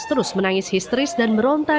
terus menangis histeris dan meronta